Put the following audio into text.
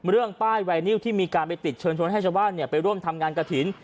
เรื่องป้ายไวนิวที่มีการไปติดเชิญชวนให้ชาวบ้านไปร่วมทำงานกระถิ่น